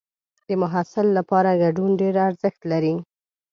د محصل لپاره ګډون ډېر ارزښت لري.